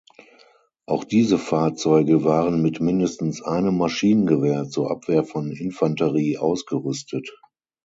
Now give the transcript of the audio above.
Auch diese Fahrzeuge waren mit mindestens einem Maschinengewehr zur Abwehr von Infanterie ausgerüstet.